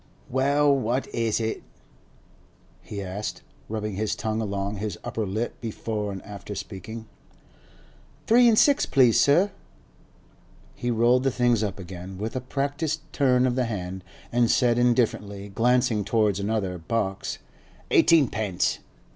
'Well, what is it?' he asked, rubbing his tongue along his upper lip before and after speaking. 'Three an' six, please, sir.' He rolled the things up again with a practised turn of the hand, and said indifferently, glancing towards another box, 'Eighteenpence.